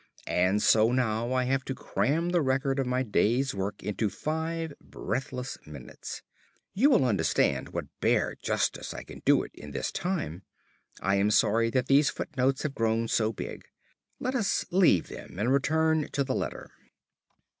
And so now I have to cram the record of my day's work into five breathless minutes. You will understand what bare justice I can do it in the time. I am sorry that these footnotes have grown so big; let us leave them and return to the letter.